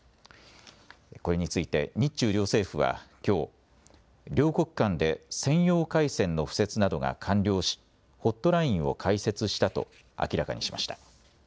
これについて日中両政府はきょう両国間で専用回線の敷設などが完了しホットラインを開設したと明らかにしました。